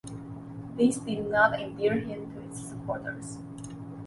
This did not endear him to its supporters.